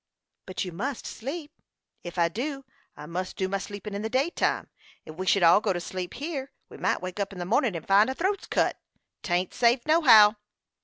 "But you must sleep." "Ef I do, I must do my sleepin' in the daytime. Ef we should all go to sleep hyer, we might wake up in the mornin', and find our throats cut. 'Tain't safe, nohow."